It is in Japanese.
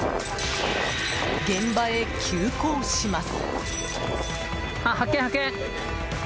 現場へ急行します。